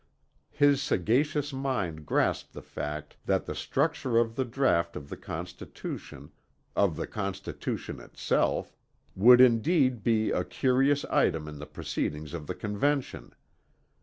His sagacious mind grasped the fact that the structure of the draught of the Constitution of the Constitution itself, would indeed be a "curious item in the proceedings of the Convention."